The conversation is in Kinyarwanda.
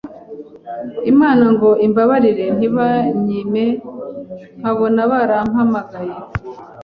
Imana ngo imbabarire ntibanyime, nkabona barampamagaye